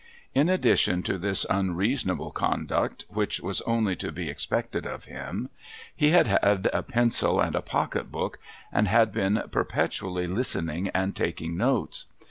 Ill addition to this unreasonable conduct (which was only to be expe( t>(l of him), he had had a j)encil and a pocket book, and had been perpetually listening and taking notes.